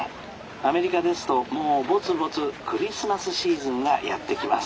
アメリカですともうぼつぼつクリスマスシーズンがやって来ます」。